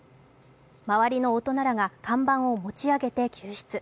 周りの大人らが看板を持ち上げて救出。